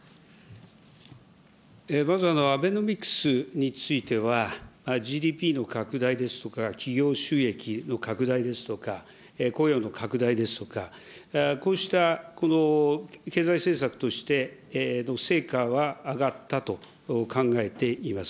まずアベノミクスについては、ＧＤＰの拡大ですとか、企業収益の拡大ですとか、雇用の拡大ですとか、こうしたこの経済政策として成果は上がったと考えています。